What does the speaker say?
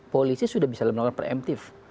polisi sudah bisa melakukan preemptif